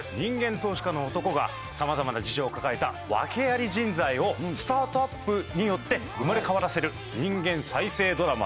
投資家の男が様々な事情を抱えた訳あり人材をスタートアップによって生まれ変わらせる人間再生ドラマです。